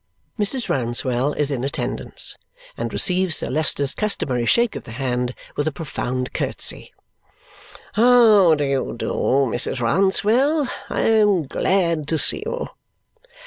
Mrs. Rouncewell is in attendance and receives Sir Leicester's customary shake of the hand with a profound curtsy. "How do you do, Mrs. Rouncewell? I am glad to see you."